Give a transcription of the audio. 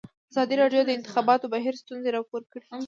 ازادي راډیو د د انتخاباتو بهیر ستونزې راپور کړي.